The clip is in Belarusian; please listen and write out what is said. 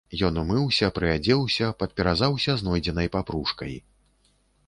Ён умыўся, прыадзеўся, падперазаўся знойдзенай папружкай.